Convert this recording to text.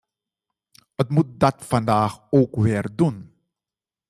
Het moet dat vandaag ook weer doen.